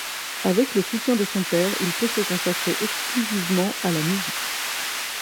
Avec le soutien de son père, il peut se consacrer exclusivement à la musique.